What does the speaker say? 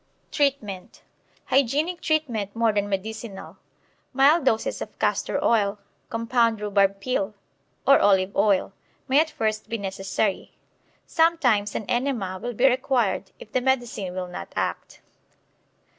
Treatment Hygienic treatment more than medicinal. Mild doses of castor oil, compound rhubarb pill, or olive oil, may at first be necessary. Sometimes an enema will be required if the medicine will not act.